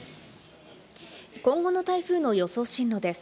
今後の台風の予想進路です。